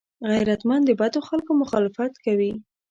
غیرتمند د بدو خلکو مخالفت کوي